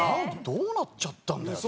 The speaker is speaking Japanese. どうなっちゃったんだよと思って。